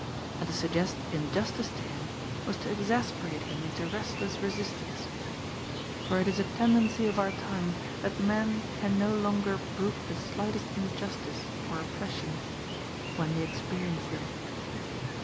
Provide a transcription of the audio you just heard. And to suggest in justice to him, was to exasperate him into restless resist ance. For it is a tendency of our time that men can no longer brook the slightest injustice or oppression. When they experience them.